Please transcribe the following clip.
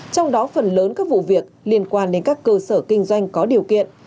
trong đó phần lớn các vụ việc liên quan đến các cơ sở kinh doanh có điều kiện